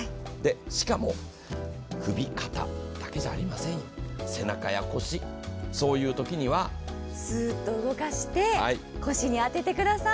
しかも首、肩だけじゃありませんよ背中や腰、そういうときにはすーっと動かして腰に当ててください。